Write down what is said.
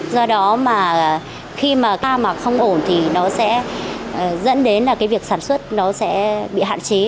do đó mà khi mà ta mặc không ổn thì nó sẽ dẫn đến là cái việc sản xuất nó sẽ bị hạn chế